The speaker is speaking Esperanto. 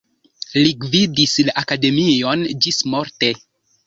Li gvidis la akademion ĝismorte.